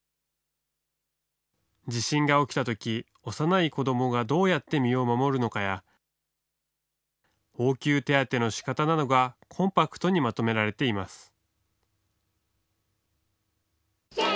地震が起きたとき、幼い子どもがどうやって身を守るのかや、応急手当のしかたなどがコンパクトにまとめられています。